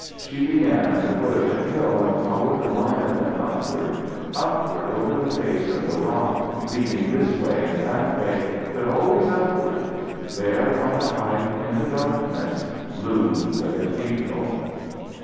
She began at the foot of the hill and followed the line of them upward, upward over the face of the rock, leading this way and that way, but always upward. There on the height in the darkness loomed the cathedral.